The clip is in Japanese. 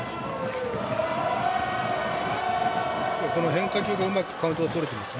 変化球でうまくカウントがとれています。